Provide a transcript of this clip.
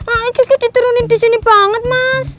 aik aik diturunin disini banget mas